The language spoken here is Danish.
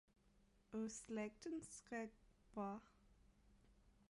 Og slægten skreg, bra